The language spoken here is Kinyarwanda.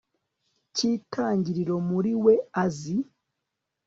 cy'itangiriro muri we azi